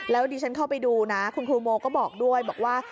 แล้วดิฉันเข้าไปดูนะคุณครูโมก็บอกด้วยบอกว่า